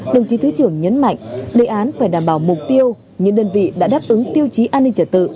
đồng chí thứ trưởng nhấn mạnh đề án phải đảm bảo mục tiêu những đơn vị đã đáp ứng tiêu chí an ninh trật tự